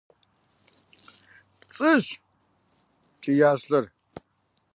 – ПцӀыщ! – къэкӀиящ лӏыр.